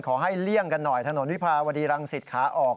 ขอให้เลี่ยงกันหน่อยถนนวิภาวดีรังศิษย์ค้าออก